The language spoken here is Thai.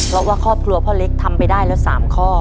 เพราะว่าครอบครัวพ่อเล็กทำไปได้แล้ว๓ข้อ